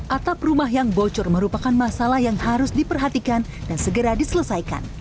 atap rumah yang bocor merupakan masalah yang harus diperhatikan dan segera diselesaikan